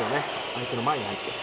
相手の前に入っていく。